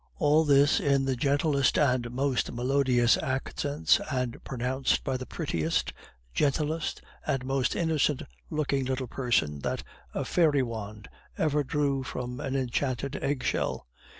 All this in the gentlest and most melodious accents, and pronounced by the prettiest, gentlest, and most innocent looking little person that a fairy wand ever drew from an enchanted eggshell.